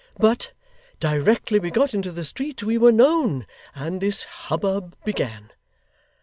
But, directly we got into the street we were known, and this hubbub began.